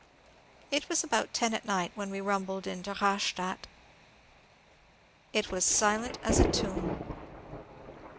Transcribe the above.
It was about ten at night when we rumbled into Rastadt. It was silent as a tomb.